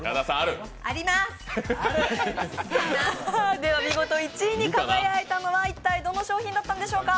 では見事１位に輝いたのはどの商品だったのでしょうか。